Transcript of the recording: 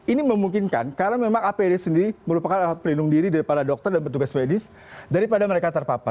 ini memungkinkan karena memang apd sendiri merupakan alat pelindung diri dari para dokter dan petugas medis daripada mereka terpapar